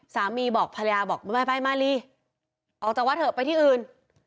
สามีบอกภรรยาบอกไม่ไปมาลีออกจากวัดเถอะไปที่อื่น